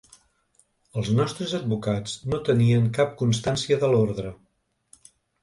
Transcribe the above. Els nostres advocats no tenien cap constància de l’ordre.